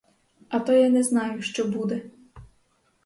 А то я не знаю, що буде.